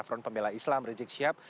front pembela islam rizik syihab